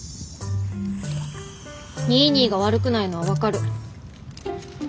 ニーニーが悪くないのは分かる。